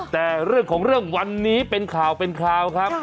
แต่เรื่องของเรื่องวันนี้เป็นข่าวครับ